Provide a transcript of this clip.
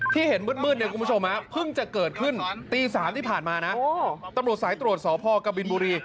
เห็นมืดเนี่ยคุณผู้ชมเพิ่งจะเกิดขึ้นตี๓ที่ผ่านมานะตำรวจสายตรวจสพกบินบุรี